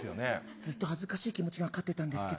ずっと恥ずかしい気持ちが勝ってたんですけど。